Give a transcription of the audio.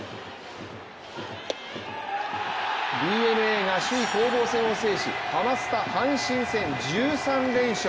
ＤｅＮＡが首位攻防戦を制しハマスタ阪神戦１３連勝。